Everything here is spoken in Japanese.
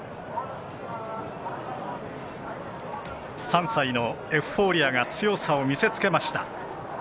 ３歳のエフフォーリアが強さを見せつけました。